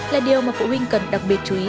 là điều mà phụ huynh cần đặc biệt chú ý